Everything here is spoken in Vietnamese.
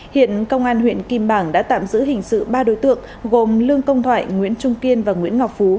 hiện công an huyện kim bảng đã tạm giữ hình sự ba đối tượng gồm lương công thoại nguyễn trung kiên và nguyễn ngọc phú